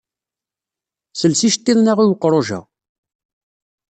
Sels iceṭṭiḍen-a i weqruj-a.